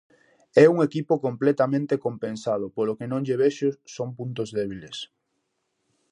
É un equipo completamente compensado, polo que non lle vexo son puntos débiles.